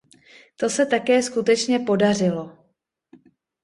To se také skutečně podařilo.